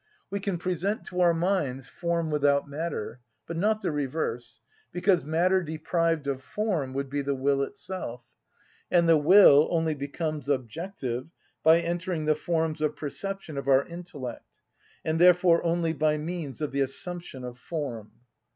We can present to our minds form without matter, but not the reverse; because matter deprived of form would be the will itself, and the will only becomes objective by entering the forms of perception of our intellect, and therefore only by means of the assumption of form.